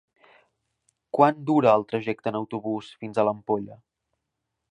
Quant dura el trajecte en autobús fins a l'Ampolla?